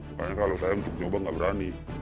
makanya kalau saya untuk nyoba gak berani